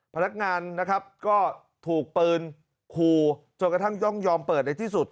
พนักงานนะครับก็ถูกปืนคูจนกระทั่งย่องยอมเปิดในที่สุด